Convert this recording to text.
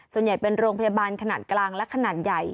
ส่วนใหญ่เป็นโรงพยาบาลขนาดกลางและขนาดใหญ่